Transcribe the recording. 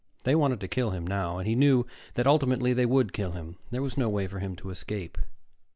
They wanted to kill him now. And he knew that ultimately they would kill him. There was no way for him to escape.